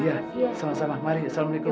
iya sama sama mari assalamualaikum